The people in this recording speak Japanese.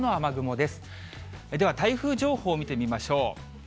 では、台風情報を見てみましょう。